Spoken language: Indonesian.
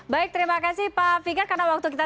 baik terima kasih pak fikar karena waktu kita